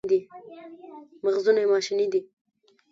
مغزونه یې ماشیني دي.